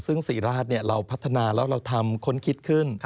ซึ่งศรีราชเราพัฒนาแล้วเราทำค้นคิดขึ้น